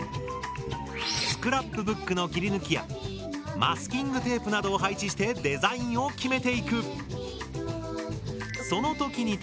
スクラップブックの切り抜きやマスキングテープなどを配置してデザインを決めていく。